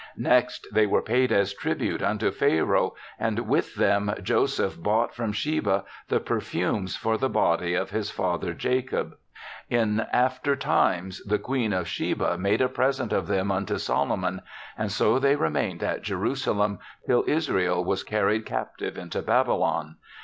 Next they were paid as tribute unto Pharaoh and with them Joseph bought from Sheba the perfumes for the body of his father, Jacob. In 40 THE SEVENTH CHRISTMAS after times the Queen of Sheba made a present of them unto Solomon, and so they remained at Jerusalem till Israel was carried captive into Baby lon.